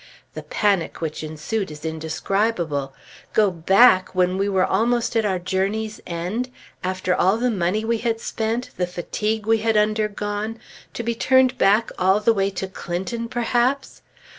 The panic which ensued is indescribable. Go back when we were almost at our journey's end, after all the money we had spent, the fatigue we had undergone, to be turned back all the way to Clinton, perhaps!